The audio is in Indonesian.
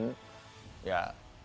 toh gusti allah itu tidak mewajibkan